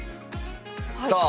さあ